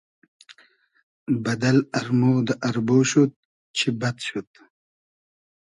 بئدئل ارمۉ دۂ اربۉ شود چی بئد شود